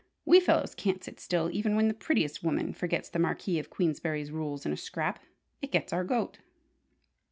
We fellows can't sit still when even the prettiest woman forgets the Marquis of Queensberry's rules in a scrap! It gets our goat!"